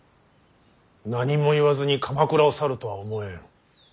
何も言わずに鎌倉を去るとは思えん。